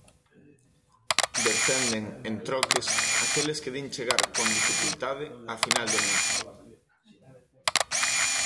Descenden, en troques, aqueles que din chegar 'con dificultade' a final de mes.